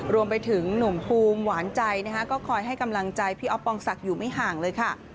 รวมไปถึงหนุ่มภูมิหวานใจนะคะก็คอยให้กำลังใจพี่อ๊อปปองศักดิ์อยู่ไม่ห่างเลยค่ะ